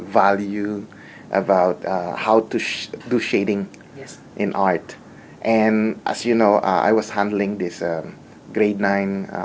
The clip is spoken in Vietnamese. và hành trình này không phải